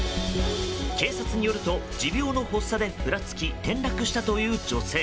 警察によると、持病の発作でふらつき転落したという女性。